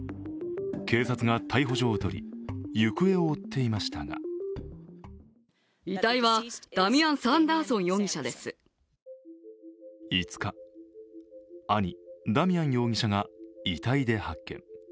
警察が逮捕状を取り行方を追っていましたが５日、兄・ダミアン容疑者が遺体で発見。